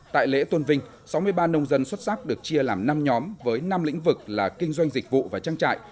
tại lễ tôn vinh sáu mươi ba nông dân xuất sắc được chia làm năm nhóm với năm lĩnh vực là kinh doanh dịch vụ và trang trại